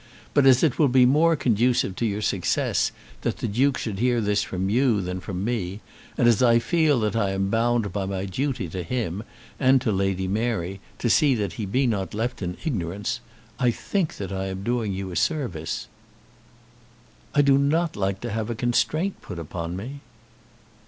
But as it will be more conducive to your success that the Duke should hear this from you than from me, and as I feel that I am bound by my duty to him and to Lady Mary to see that he be not left in ignorance, I think that I am doing you a service." "I do not like to have a constraint put upon me."